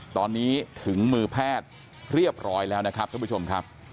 ตอนนี้ถึงมือแพทย์เรียบร้อยแล้วนะครับท่านผู้ชมครับ